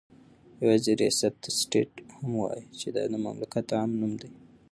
يوازي رياست ته سټيټ هم وايي چې دا دمملكت عام نوم دى